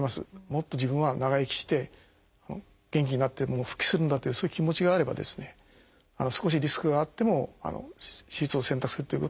もっと自分は長生きして元気になって復帰するんだというそういう気持ちがあればですね少しリスクがあっても手術を選択するということは可能だと思います。